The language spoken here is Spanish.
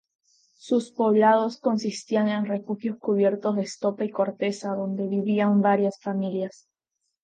Sus poblados consistían en refugios cubiertos de estopa y corteza donde vivían varias familias.